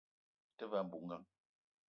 Me te ve a bou ngang